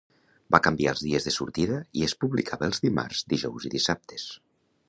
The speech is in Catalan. Va canviar els dies de sortida i es publicava els dimarts, dijous i dissabtes.